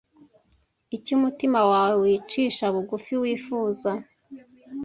icyo umutima wawe wicisha bugufi wifuza